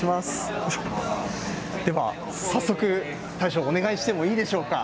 では早速、大将、お願いしてもいいでしょうか？